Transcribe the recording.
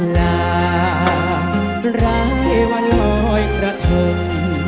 ลาร้ายวันลอยกระทง